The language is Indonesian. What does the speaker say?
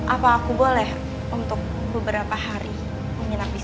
apa aku boleh untuk beberapa hari menginap di sini